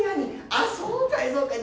ああそうかいそうかい。